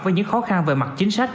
với những khó khăn về mặt chính sách